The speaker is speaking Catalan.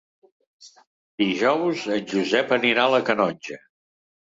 Dijous en Josep anirà a la Canonja.